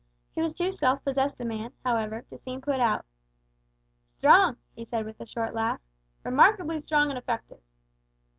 He was too self possessed a man, however, to seem put out. "Strong!" he said, with a short laugh; "remarkably strong and effective."